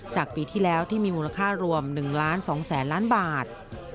จากปีที่แล้วที่มีมูลค่ารวม๑ล้าน๒แสนล้านบาท